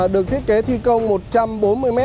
được thiết kế thi công một trăm bốn mươi m